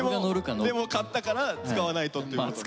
でも買ったから使わないとっていうことで。